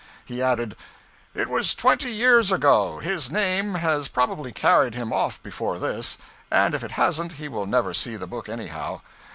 He added 'It was twenty years ago; his name has probably carried him off before this; and if it hasn't, he will never see the book anyhow.